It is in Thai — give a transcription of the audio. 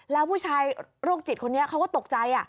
แล้วผู้ชายโรคจิตคนนี้เขาก็ตกใจ